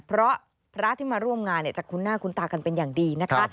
เพราะพระที่มาร่วมงานจะคุ้นหน้าคุ้นตากันเป็นอย่างดีนะคะ